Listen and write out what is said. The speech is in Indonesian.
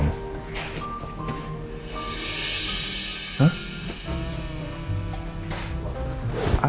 tidur disitu maksudnya saya